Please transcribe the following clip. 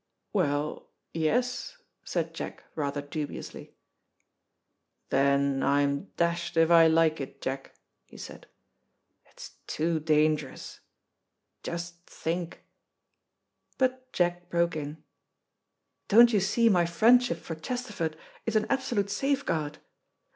"Well, yes," said Jack rather dubiously. "Then I'm dashed if I like it, Jack," he said. "It's too dangerous. Just think " But Jack broke in, "Don't you see my friendship for Chesterford is an absolute safeguard.